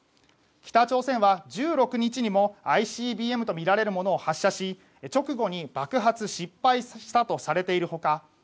北朝鮮は１６日にもＩＣＢＭとみられるものを発射し直後に爆発失敗したとされている他